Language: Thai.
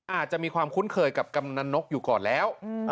อาจจะมีความคุ้นเคยกับกำนันนกอยู่ก่อนแล้ว